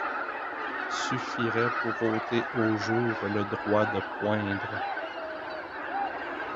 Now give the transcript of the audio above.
Suffirait pour ôter au jour le droit de poindre